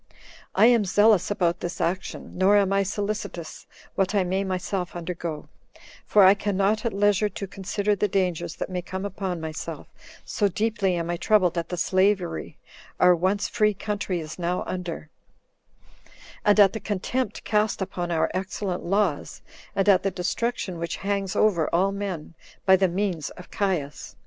I am zealous about this action, nor am I solicitous what I may myself undergo; for I can not at leisure to consider the dangers that may come upon myself, so deeply am I troubled at the slavery our once free country is now under, and at the contempt cast upon our excellent laws, and at the destruction which hangs over all men, by the means of Caius.